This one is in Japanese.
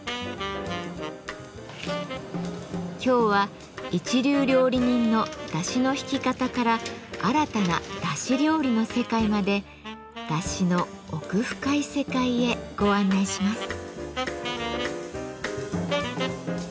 今日は一流料理人のだしのひき方から新たなだし料理の世界までだしの奥深い世界へご案内します。